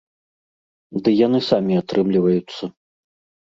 Ды яны самі атрымліваюцца.